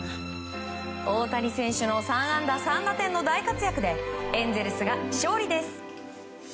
大谷選手の３安打３打点の大活躍でエンゼルスが勝利です。